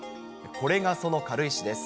これがその軽石です。